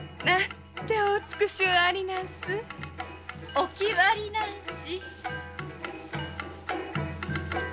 お気張りなんし。